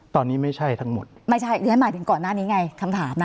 ตอนนี้ไม่ใช่ทั้งหมดไม่ใช่ดิฉันหมายถึงก่อนหน้านี้ไงคำถามนะ